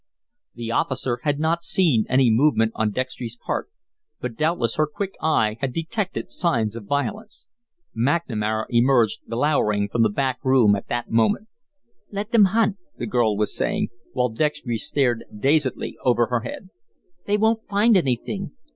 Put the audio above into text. The officer had not seen any movement on Dextry's part, but doubtless her quick eye had detected signs of violence. McNamara emerged, glowering, from the back room at that moment. "Let them hunt," the girl was saying, while Dextry stared dazedly over her head. "They won't find anything.